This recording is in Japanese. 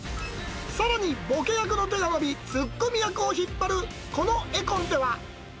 さらにボケ役の手を伸ばし、ツッコミ役を引っ張るこの絵コンテは。